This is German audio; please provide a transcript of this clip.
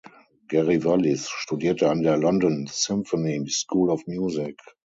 Gary Wallis studierte an der London Symphony School of Music.